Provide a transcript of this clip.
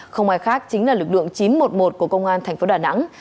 không ai khác chính là lực lượng chín trăm một mươi một của công an tp hcm